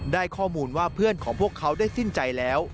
ได้ข้อมูลว่าเพื่อนของพวกเขาได้สิ้นใจแล้ว